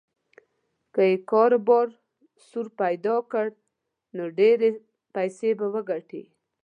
که یې کاروبار سور پیدا کړ نو ډېرې پیسې به وګټي.